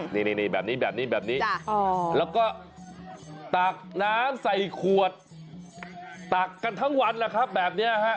นี่แบบนี้แล้วก็ตากน้ำใส่ขวดตากกันทั้งวันแหละครับแบบนี้ครับ